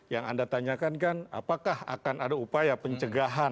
yang anda tanyakan kan apakah akan ada upaya pencegahan